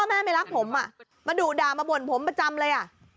แม่ไม่รักผมอ่ะมาดุด่ามาบ่นผมประจำเลยอ่ะ